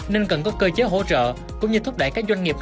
nên cần có cơ chế hỗ trợ cũng như thúc đẩy các doanh nghiệp